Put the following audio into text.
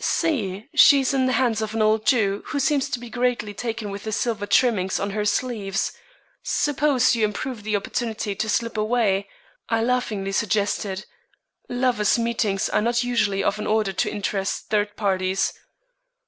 "See! she is in the hands of an old Jew, who seems to be greatly taken with the silver trimmings on her sleeves. Suppose you improve the opportunity to slip away," I laughingly suggested. "Lovers' meetings are not usually of an order to interest third parties."